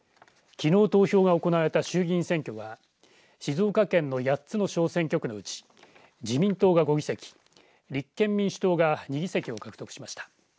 きのう投票が行われた衆議院選挙が静岡県の８つの小選挙区のうち自民党が５議席立憲民主党が２議席を獲得しました。